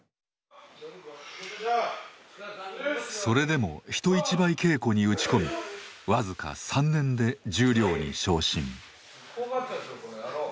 それでも人一倍稽古に打ち込み僅か３年で十両に昇進。